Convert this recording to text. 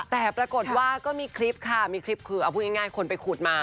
แต่ปรากฏว่าก็มีคลิปค่ะมีคลิปคือเอาพูดง่ายคนไปขุดมา